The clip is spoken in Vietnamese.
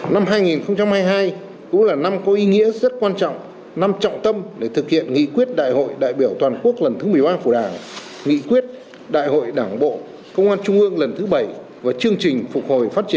năm hai nghìn hai mươi hai cũng là năm có ý nghĩa rất quan trọng năm trọng tâm để thực hiện nghị quyết đại hội đại biểu toàn quốc lần thứ một mươi ba của đảng nghị quyết đại hội đảng bộ công an trung ương lần thứ bảy và chương trình phục hồi